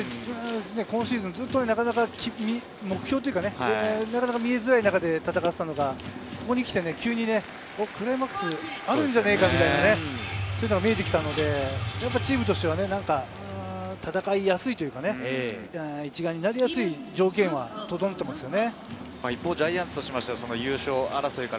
今シーズンなかなか目標というか見えづらい中で戦っていたのが、ここに来て急にクライマックスあるんじゃないかみたいなのが見えてきたので、やっぱりチームとしては戦いやすいというか、一丸になりやすい条件は整ったですね。